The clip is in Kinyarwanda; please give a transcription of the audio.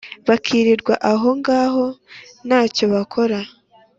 bakirirwa aho ngáhó ntacyo bakora